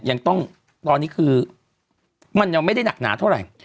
ยังต้องตอนนี้คือมันยังไม่ได้หนักหนาเท่าไหร่